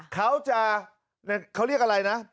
เขาจะเขาเรียกอะไรนะ